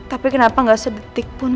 tapi kenapa nggak sedetik pun